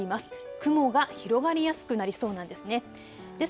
雲が広がりやすくなりそうなんです。